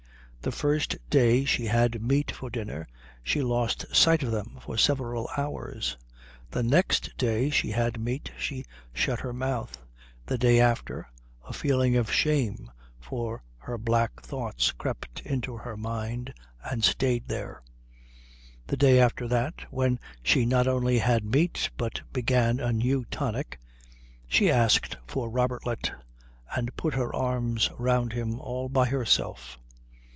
The first day she had meat for dinner she lost sight of them for several hours. The next day she had meat she shut her mouth. The day after, a feeling of shame for her black thoughts crept into her mind and stayed there. The day after that, when she not only had meat but began a new tonic, she asked for Robertlet and put her arms round him all by herself.